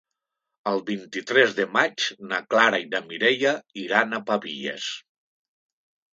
El vint-i-tres de maig na Clara i na Mireia iran a Pavies.